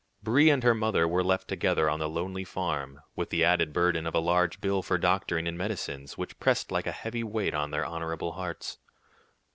Brie and her mother were left together on the lonely farm, with the added burden of a large bill for doctoring and medicines, which pressed like a heavy weight on their honorable hearts.